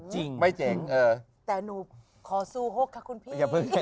แต่หนูขอซู่หกค่ะคุณพี่